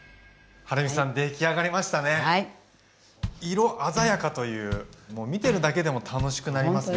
色鮮やかというもう見てるだけでも楽しくなりますね。